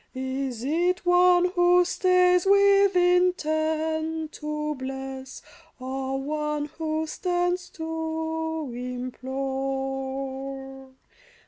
Is it one who stays with intent to bless, Or one who stands to implore